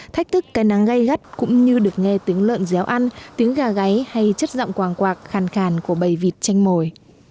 thách thức cây nắng gây gắt cũng như được nghe tiếng lợn déo ăn tiếng gà gáy hay chất giọng quàng quạc khàn khàn của bầy vịt tranh mồi